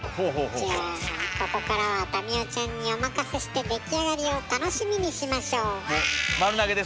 じゃあここからは民生ちゃんにお任せして出来上がりを楽しみにしましょう。